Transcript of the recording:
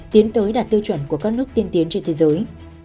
tiến tới đạt tiêu chuẩn của các nước tiên tiến trên thế giới